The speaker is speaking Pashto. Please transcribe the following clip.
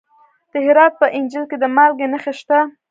د هرات په انجیل کې د مالګې نښې شته.